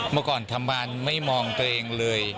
เมื่อก่อนทำงานไม่มองตัวเองเลย